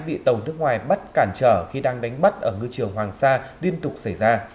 bị tàu nước ngoài bắt cản trở khi đang đánh bắt ở ngư trường hoàng sa liên tục xảy ra